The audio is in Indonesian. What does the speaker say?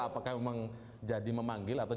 apakah memang jadi memanggil atau